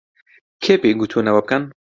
کێ پێی گوتوون ئەوە بکەن؟